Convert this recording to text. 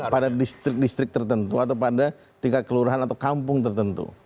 pada distrik distrik tertentu atau pada tingkat kelurahan atau kampung tertentu